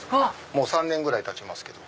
もう３年ぐらいたちます